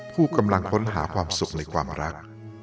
ผู้กำลังค้นหาความสุขในความรัก